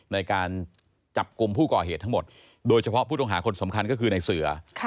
ในการจับกลุ่มผู้ก่อเหตุทั้งหมดโดยเฉพาะผู้ต้องหาคนสำคัญก็คือในเสือ